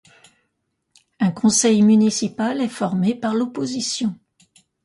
Un conseil municipal est formé par l'opposition.